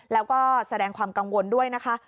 แล้วก็แสดงความกังวลด้วยนะคะ